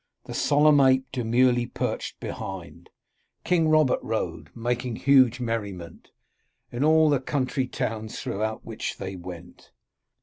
The solemn ape demurely perched behind, King Robert rode, making huge merriment In all the country towns through which they went.